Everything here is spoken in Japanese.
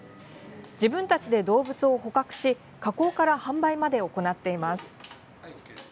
自分たちで動物を捕獲し加工から販売まで行っています。